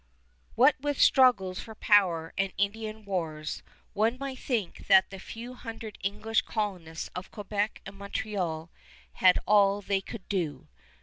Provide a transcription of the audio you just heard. What with struggles for power and Indian wars, one might think that the few hundred English colonists of Quebec and Montreal had all they could do.